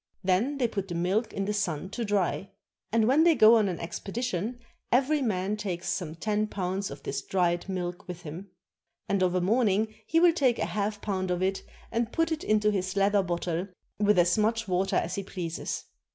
Then they put the milk in the sun to dry. And when they go on an expedi tion, every man takes some ten pounds of this dried milk with him. And of a morning he will take a half pound of it and put it into his leather bottle with as much water as he pleases.